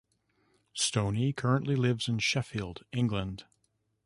Stoney currently lives in Sheffield, England.